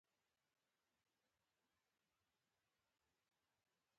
راټول شوي معلومات دې په ټولګي کې ووايي.